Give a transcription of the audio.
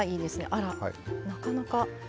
あらなかなか。